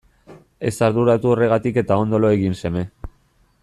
Ez arduratu horregatik eta ondo lo egin seme.